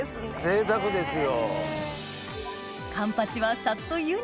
ぜいたくですよ。